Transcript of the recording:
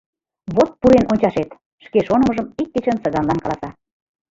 — Вот пурен ончашет! — шке шонымыжым ик кечын Цыганлан каласа.